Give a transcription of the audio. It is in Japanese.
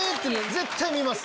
絶対見ます。